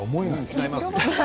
違いますよ。